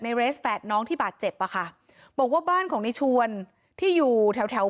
เรสแฝดน้องที่บาดเจ็บอ่ะค่ะบอกว่าบ้านของในชวนที่อยู่แถวแถว